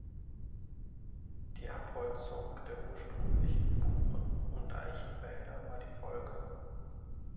Die Abholzung der ursprünglichen Buchen- und Eichenwälder war die Folge.